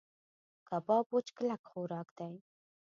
کباب وچ کلک خوراک دی.